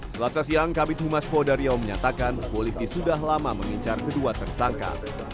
selasa siang kabinet humas poh dariau menyatakan polisi sudah lama mengincar kedua tersangka